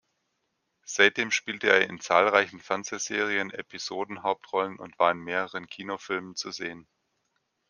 Seitdem spielte er in zahlreichen Fernsehserien Episodenhauptrollen und war in mehreren Kinofilmen zu sehen.